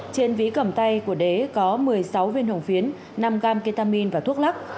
trên ví cầm tay của đế có một mươi sáu viên hồng phiến năm gam ketamine và thuốc lắc